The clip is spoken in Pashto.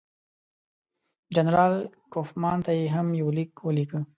جنرال کوفمان ته یې هم یو لیک ولیکه.